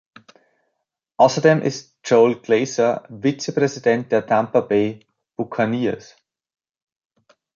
Außerdem ist Joel Glazer Vizepräsident der Tampa Bay Buccaneers.